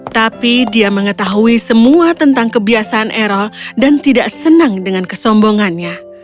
tapi dia mengetahui semua tentang kebiasaan erol dan tidak senang dengan kesombongannya